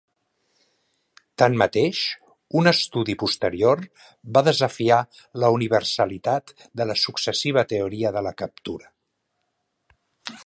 Tanmateix, un estudi posterior va desafiar la universalitat de la successiva teoria de la captura.